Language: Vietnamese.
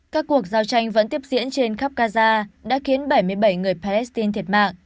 các cuộc giao tranh vẫn tiếp diễn trên khắp gaza đã khiến bảy mươi bảy người palestine thiệt mạng